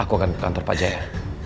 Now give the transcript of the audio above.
aku akan ke kantor pak jaya